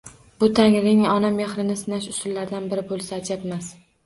Bu- tangrining ona mehrini sinash usullaridan biri bo’lsa ajabmas.